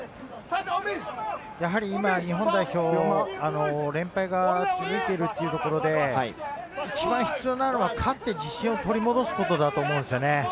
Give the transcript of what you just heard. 今、日本代表、連敗が続いているというところで、一番必要なのは勝って自信を取り戻すことだと思うんですよね。